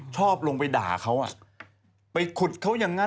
ชอบลงไปด่าเขาไปขุดเขาอย่างนั้น